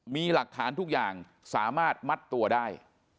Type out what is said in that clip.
มีหลักฐานทุกอย่างสามารถมัดตัวได้